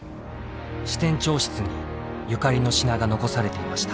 支店長室にゆかりの品が残されていました。